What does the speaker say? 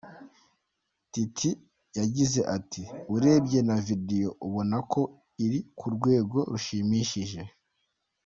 Titie yagize ati “ Urebye ni video ubonako iri ku rwego rushimishije.